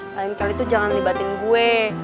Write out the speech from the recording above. lain kali tuh jangan dibatuin gue